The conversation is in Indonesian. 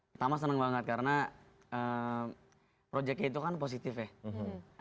pertama senang banget karena projectnya itu kan positif ya